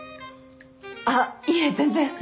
あっいえ全然。